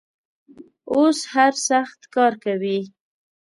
اوس هر سخت کار کوي.